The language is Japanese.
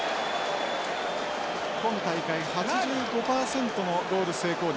今大会８５％のゴール成功率。